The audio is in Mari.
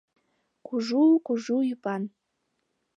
Кужу-кужу ӱпан...